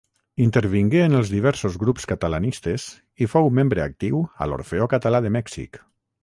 Intervingué en els diversos grups catalanistes i fou membre actiu a l'Orfeó Català de Mèxic.